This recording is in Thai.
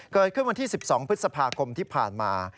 เกิดขึ้นวันที่๑๒พฤษภาคมที่ผ่านมา